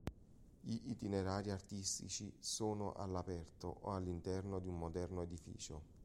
Gli itinerari artistici sono all'aperto o all'interno di un moderno edificio.